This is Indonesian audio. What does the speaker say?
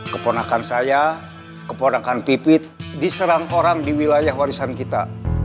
keponakan saya keponakan pipit diserang orang di wilayah warisan kita